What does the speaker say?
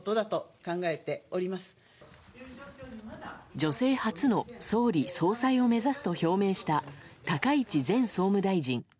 女性初の総理・総裁を目指すと表明した高市前総務大臣。